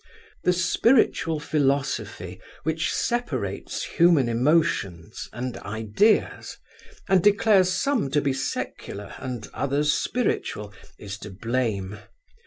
The spiritual philosophy which separates human emotions and ideas, and declares some to be secular and others spiritual, is to blame.